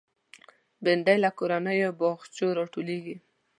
بېنډۍ له کورنیو باغچو راټولېږي